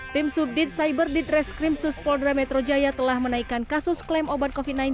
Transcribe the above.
tim subdit cyber ditreskrim suspolda metro jaya telah menaikkan kasus klaim obat covid sembilan belas